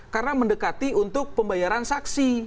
karena mendekati untuk pembayaran saksi